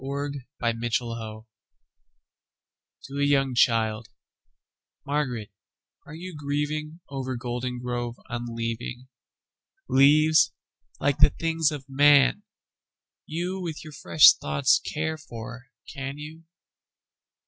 Spring and Fall to a young childMÁRGARÉT, áre you gríevingOver Goldengrove unleaving? Leáves, líke the things of man, youWith your fresh thoughts care for, can you?